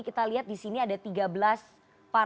tim liputan cnn indonesia